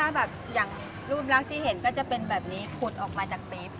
คือถ้าอย่างรูปรักที่เห็นก็จะเป็นแบบนี้ขุดออกมาจากปรี๊บ